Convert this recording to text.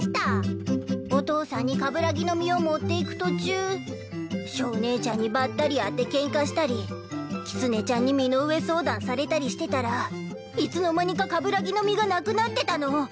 お父さんにカブラギの実を持っていく途中ショーねえちゃんにばったり会ってケンカしたりキツネちゃんに身の上相談されたりしてたらいつの間にかカブラギの実がなくなってたの。